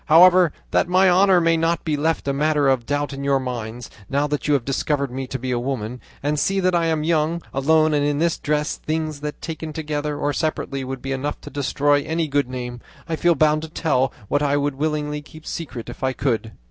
However, that my honour may not be left a matter of doubt in your minds, now that you have discovered me to be a woman, and see that I am young, alone, and in this dress, things that taken together or separately would be enough to destroy any good name, I feel bound to tell what I would willingly keep secret if I could."